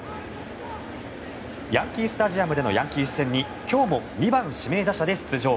ヤンキー・スタジアムでのヤンキース戦に今日も２番指名打者で出場。